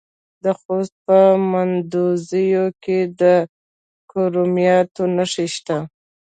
د خوست په مندوزیو کې د کرومایټ نښې شته.